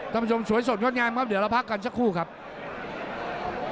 ส่วนดีสกับส่วนยกยาลมจะพักกันสักครั้ง